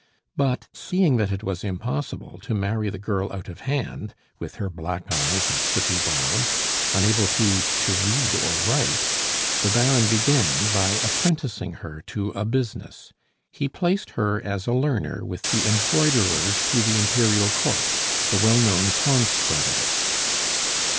But seeing that it was impossible to marry the girl out of hand, with her black eyes and sooty brows, unable, too, to read or write, the Baron began by apprenticing her to a business; he placed her as a learner with the embroiderers to the Imperial Court, the well known Pons Brothers.